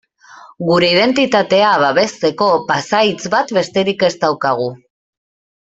Gure identitatea babesteko pasahitz bat besterik ez daukagu.